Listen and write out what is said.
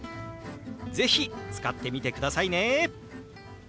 是非使ってみてくださいね！